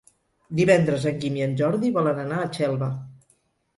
Divendres en Guim i en Jordi volen anar a Xelva.